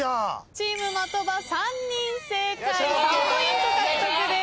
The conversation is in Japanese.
チーム的場３人正解３ポイント獲得です。